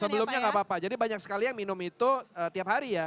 sebelumnya nggak apa apa jadi banyak sekali yang minum itu tiap hari ya